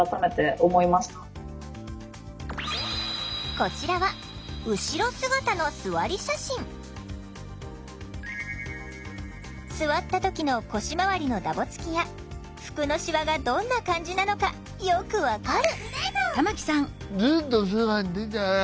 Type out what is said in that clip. こちらは座った時の腰回りのダボつきや服のシワがどんな感じなのかよく分かる！